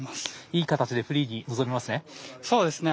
いい形でフリーに臨めますね。